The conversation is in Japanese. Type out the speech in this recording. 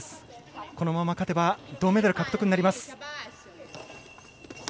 このまま勝てば銅メダル獲得になります。